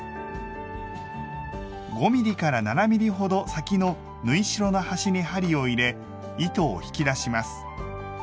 ５ｍｍ７ｍｍほど先の縫い代の端に針を入れ糸を引き出します。